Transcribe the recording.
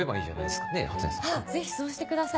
ぜひそうしてください。